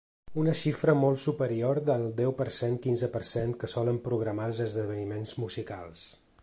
Una xifra molt superior del deu per cent-quinze per cent que solen programar els esdeveniments musicals.